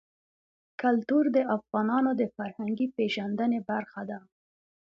کلتور د افغانانو د فرهنګي پیژندنې برخه ده.